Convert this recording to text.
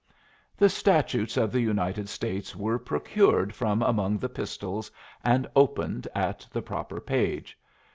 The Statutes of the United States were procured from among the pistols and opened at the proper page.